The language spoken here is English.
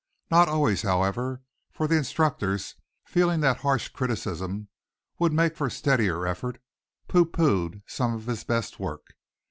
Not always, however; for the instructors, feeling that harsh criticism would make for steadier effort, pooh poohed some of his best work.